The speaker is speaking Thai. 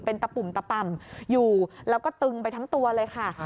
ตะปุ่มตะป่ำอยู่แล้วก็ตึงไปทั้งตัวเลยค่ะ